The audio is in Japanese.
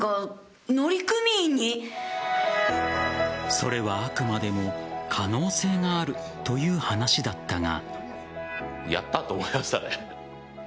それはあくまでも可能性があるという話だったが。